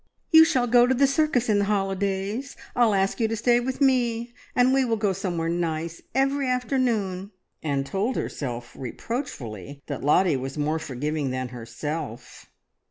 "You shall go to the circus in the holidays. I'll ask you to stay with me, and we will go somewhere nice every afternoon!" and told herself reproachfully that Lottie was more forgiving than herself.